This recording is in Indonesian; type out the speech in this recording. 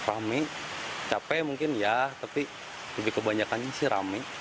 rame capek mungkin ya tapi lebih kebanyakan sih rame